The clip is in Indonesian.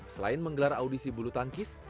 selain menggelar audisi bulu tangkis